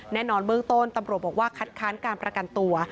แน่นอนเบื้องต้นตำรวจบอกว่าคัดค้านการประกันตัว